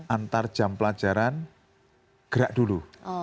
antar jam pelajaran gerak dulu